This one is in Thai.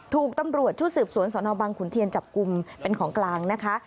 ถูกตำรวจชุดสืบสวนสนบังขุนเทียนจับกลุ่มเป็นของกลางนะคะ